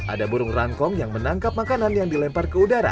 ada burung rangkong yang menangkap makanan yang dilempar ke udara